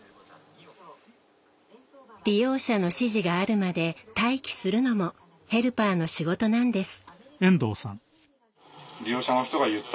利用者の指示があるまで待機するのもヘルパーの仕事なんです。